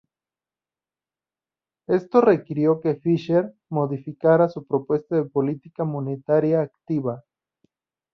Esto requirió que Fisher modificara su propuesta de política monetaria activa.